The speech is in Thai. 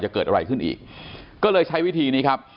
จะเกิดอะไรขึ้นอีกก็เลยใช้วิธีนี้ครับ